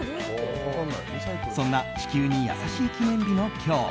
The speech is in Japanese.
そんな地球に優しい記念日の今日。